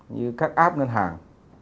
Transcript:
như các app ngân hàng